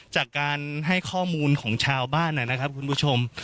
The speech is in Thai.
จากการให้ข้อมูลของชาวบ้านนะครับคุณผู้ชม